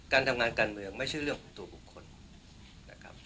การทำงานการเมืองไม่ใช่เรื่องของตัวบุคคลนะครับ